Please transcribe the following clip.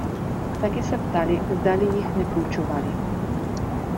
Taky se ptali, zdali jich nepůjčovali.